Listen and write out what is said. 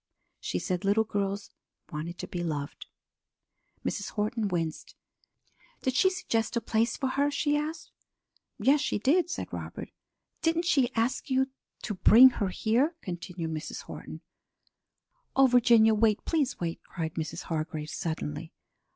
She said little girls wanted to be loved." Mrs. Horton winced. "Did she suggest a place for her?" she asked. "Yes, she did," said Robert. "Didn't she ask you to bring her here?" continued Mrs. Horton. "Oh, Virginia, wait; please wait!" cried Mrs. Hargrave suddenly.